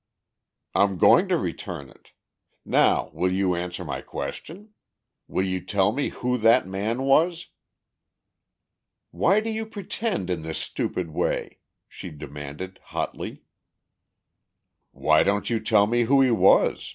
"I'm going to return it. Now, will you answer my question? Will you tell me who that man was?" "Why do you pretend in this stupid way?" she demanded hotly. "Why don't you tell me who he was?"